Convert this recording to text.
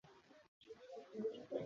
তিনি কলকাতার ডিভিনিটি কলেজে ভর্তি হন।